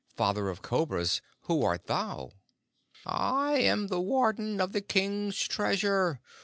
Father of Cobras, who art thou?" "I am the Warden of the King's Treasure.